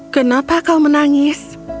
kenapa kau menangis